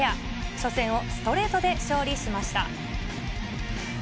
初戦をストレートで勝利しました。